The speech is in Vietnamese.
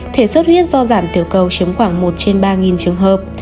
thể xuất huyết do giảm tiểu cầu chiếm khoảng một trên ba trường hợp